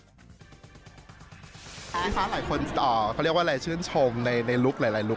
พี่ฟ้าหลายคนเขาเรียกว่าหลายชื่นชมในลุคหลายลุค